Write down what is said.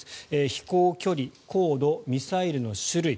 飛行距離、高度、ミサイルの種類